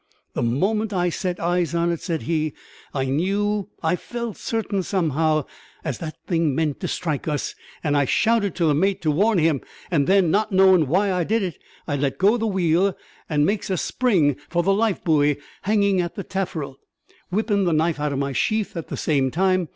"The moment I set eyes on it," said he, "I knew I felt certain, somehow as the thing meant to strike us; and I shouted to the mate, to warn him; and then not knowin' why I did it I let go the wheel and makes a spring for the life buoy hangin' at the taffr'l, whippin' the knife out of my sheath at the same time.